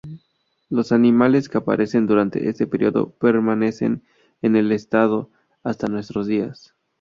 Los animales que aparecen durante este período permanecen en el estado hasta nuestros días.